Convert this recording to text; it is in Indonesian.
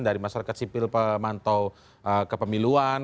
dari masyarakat sipil pemantau kepemiluan